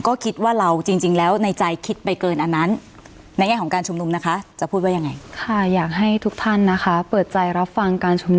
ก็คิดว่าเราจริงแล้วในใจคิดไปเกินอันนั้น